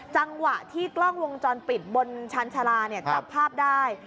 จังหวะที่กล้องวงจรปิดบนชาญชาลาจับภาพได้